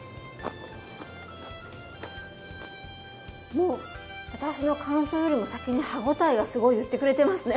もう私の感想よりも先に歯応えがすごい言ってくれてますね。